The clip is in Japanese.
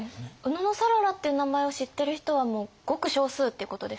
野讃良って名前を知ってる人はもうごく少数ってことですか？